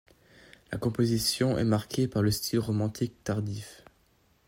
La composition est marquée par le style romantique tardif.